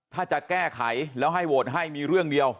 ถ้าจะแก้ไขแล้วให้โหวตให้มีเรื่องเดียว